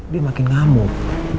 dia makin ngamuk